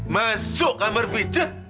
masuk kamar pijat